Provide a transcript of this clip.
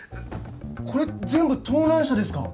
これ全部盗難車ですか？